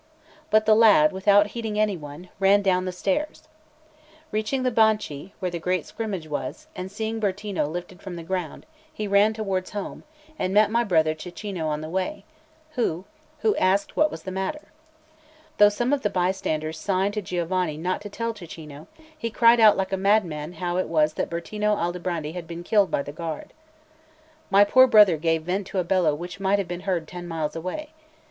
But the lad, without heeding any one, ran down the stairs. Reaching the Banchi, where the great scrimmage was, and seeing Bertino lifted from the ground, he ran towards home, and met my brother Cecchino on the way, who asked what was the matter. Though some of the bystanders signed to Giovanni not to tell Cecchino, he cried out like a madman how it was that Bertino Aldobrandi had been killed by the guard. My poor brother gave vent to a bellow which might have been heard ten miles away.